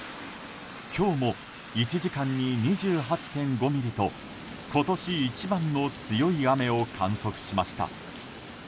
今日も１時間に２８．５ミリと今年一番の強い雨を観測しました。